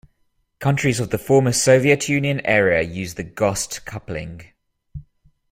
Countries of the former Soviet Union area use the Gost coupling.